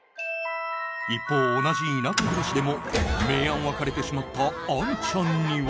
一方同じ田舎暮らしでも明暗分かれてしまったアンちゃんには。